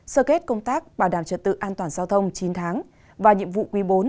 sơ kết công tác bảo đảm trật tự an toàn giao thông chín tháng và nhiệm vụ quý bốn